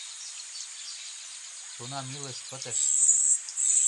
Тунам илыш пытыш».